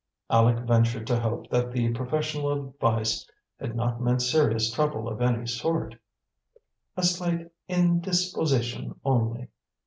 Aleck ventured to hope that the "professional advice" had not meant serious trouble of any sort. "A slight indisposition only."